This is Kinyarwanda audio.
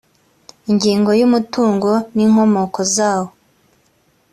ingingo ya umutungo n inkomoko zawo